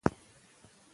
علم تیارې ختموي.